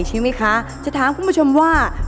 ใช่ไหมคะจะถามคุณผู้ชมว่า